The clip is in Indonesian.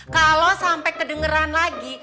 kalau sampai kedengeran lagi